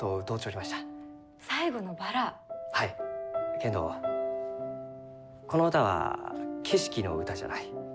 けんどこの歌は景色の歌じゃない。